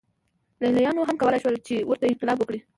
لېلیانو هم کولای شول چې ورته انقلاب وکړي